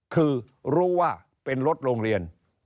คือรู้ว่าเป็นรถโรงเรียน